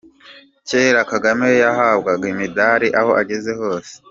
Cyera Kagame yahabwaga imidari aho ageze hose.